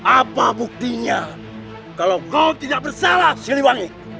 apa buktinya kalau kau tidak bersalah siliwangi